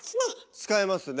使いますね。